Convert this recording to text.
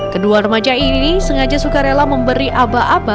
kedua remaja ini sengaja suka rela memberi aba aba